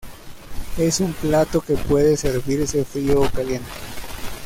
Es un plato que puede servirse frío o caliente.